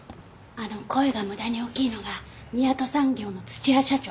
あの声が無駄に大きいのが宮都産業の土屋社長。